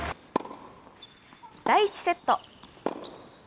第１セット。